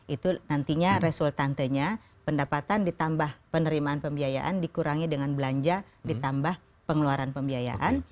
itu nantinya resultantenya pendapatan ditambah penerimaan pembiayaan dikurangi dengan belanja ditambah pengeluaran pembiayaan